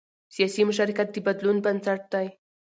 سیاسي مشارکت د بدلون بنسټ دی